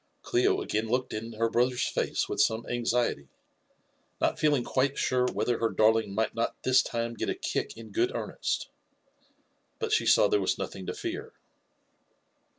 Clio ag^in looked in her brother's face with some anxiety, not fed* ing quite sure whether her darling might not this time gfit a Uok in good earnest ; l>ut she saw there "B^aa nothing to. fear.